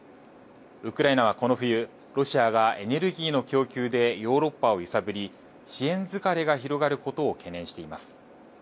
ウクライナはこの冬、ロシアがエネルギーの供給でヨーロッパを揺さぶり、支援疲れが広がることを懸念しています。